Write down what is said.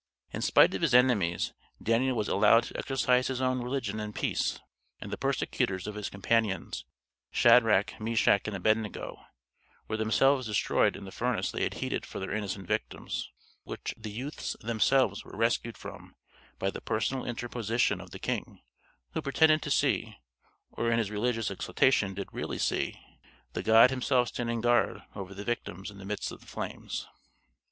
In spite of his enemies Daniel was allowed to exercise his own religion in peace; and the persecutors of his companions, Shadrach, Meshach, and Abednego, were themselves destroyed in the furnace they had heated for their innocent victims, which the youths themselves were rescued from by the personal interposition of the king, who pretended to see or in his religious exaltation did really see the god himself standing guard over the victims in the midst of the flames.